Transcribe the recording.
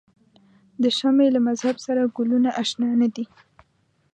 د شمعې له مذهب سره ګلونه آشنا نه دي.